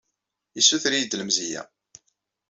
Yessuter-iyi-d lemzeyya.